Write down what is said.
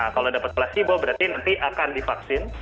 kalau dapat placebo berarti nanti akan divaksin